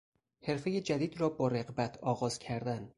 حرفهی جدید را با رغبت آغاز کردن